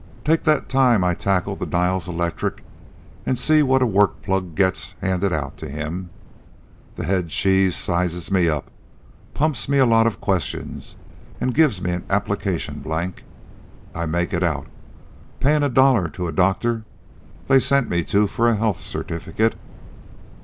"Take that time I tackled the Niles Electric an' see what a work plug gets handed out to him. The Head Cheese sizes me up, pumps me a lot of questions, an' gives me an application blank. I make it out, payin' a dollar to a doctor they sent me to for a health certificate.